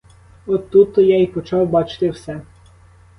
От тут то я й почав бачити все.